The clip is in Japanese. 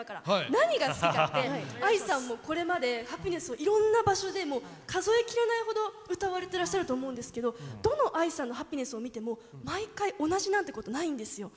何が好きかってＡＩさんもこれまで「ハピネス」をいろんな場所でもう数え切れないほど歌われてらっしゃると思うんですけどどのＡＩさんの「ハピネス」を見ても毎回同じなんてことないんですよ。